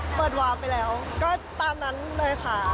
วาวไปแล้วก็ตามนั้นเลยค่ะ